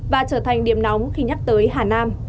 và trở thành điểm nóng khi nhắc tới hà nam